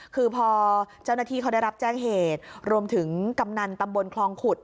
คือพอเจ้าหน้าที่เขาได้รับแจ้งเหตุรวมถึงกำนันตำบลคลองขุด